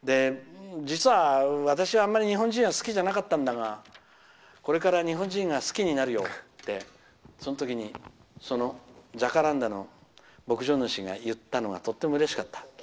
実は私は、あまり日本人は好きじゃなかったんだがこれから日本人が好きになるよってそのときにそのジャカランダの牧場主が言ったのがとってもうれしかった。